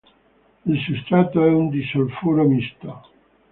Il substrato è un disolfuro misto.